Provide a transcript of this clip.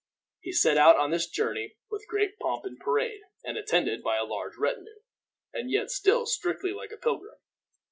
He set out on this journey with great pomp and parade, and attended by a large retinue, and yet still strictly like a pilgrim.